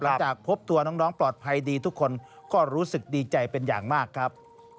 หลังจากพบตัวน้องปลอดภัยดีทุกคนก็รู้สึกดีใจเป็นอย่างมากครับ